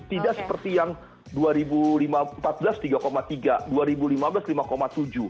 tidak seperti yang dua ribu empat belas rp tiga tiga ratus